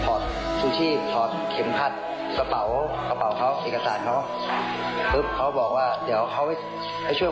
ก็อยู่ก็มีคนหลังคนระกะถามเจ้าของกระเป๋าอยู่ไหน